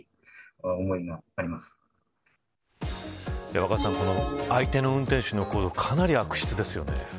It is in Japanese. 若狭さん、この相手の運転手の行動、かなり悪質ですよね。